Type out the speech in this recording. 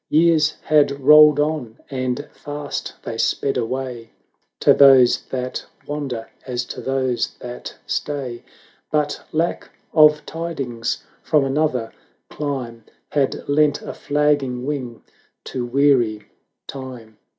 Years had rolled on, and fast they speed .awa)^ To those that wander as to those that stay; 50 But lack of tidings from another clime Had lent a flagging wing to weary Time.